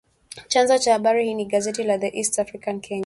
Chanzo cha habari hii ni gazeti la The East African Kenya